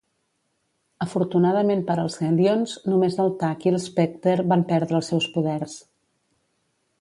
Afortunadament per als Hellions, només el Tag i l'Specter van perdre els seus poders.